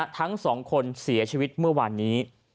ทั้งสองคนเสียชีวิตเมื่อวานนี้